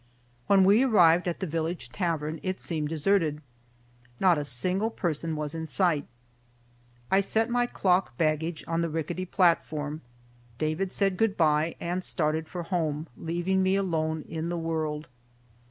When we arrived at the village tavern, it seemed deserted. Not a single person was in sight. I set my clock baggage on the rickety platform. David said good bye and started for home, leaving me alone in the world.